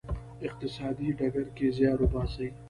اقتصادي ډګر کې زیار وباسی.